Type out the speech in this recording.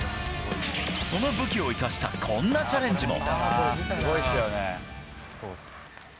その武器を生かした、こんなチャレンジも。